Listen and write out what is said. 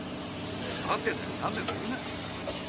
わかってんだ何べんも言うな。